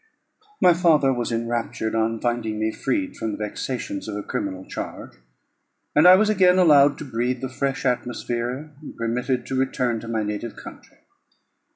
My father was enraptured on finding me freed from the vexations of a criminal charge, that I was again allowed to breathe the fresh atmosphere, and permitted to return to my native country.